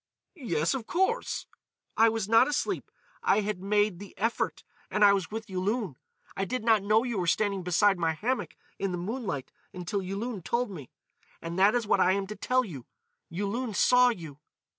"Yes, of course——" "I was not asleep. I had made the effort and I was with Yulun.... I did not know you were standing beside my hammock in the moonlight until Yulun told me.... And that is what I am to tell you; Yulun saw you....